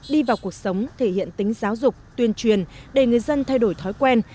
đi vào cuộc sống thể hiện tính giáo dục tuyên truyền để người dân thay đổi thói quen